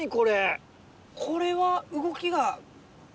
これは動きが。